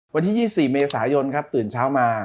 วันที่๒๔เมษายนครับตื่นเช้ามา